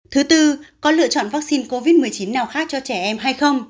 thứ tư có lựa chọn vaccine covid một mươi chín nào khác cho trẻ em hay không